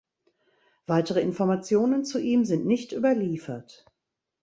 Weitere Informationen zu ihm sind nicht überliefert.